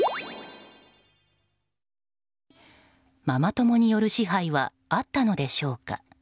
ママ友による支配はあったのでしょうか。